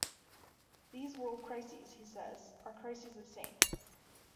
"These world crises", he says, "are crises of saints.